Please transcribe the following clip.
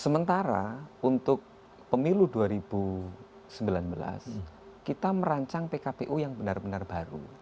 sementara untuk pemilu dua ribu sembilan belas kita merancang pkpu yang benar benar baru